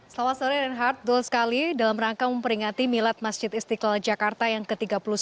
selamat sore reinhardt betul sekali dalam rangka memperingati milad masjid istiqlal jakarta yang ke tiga puluh sembilan